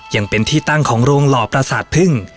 ยังเป็นที่ตั้งของโรงหล่อประสาทพึ่ง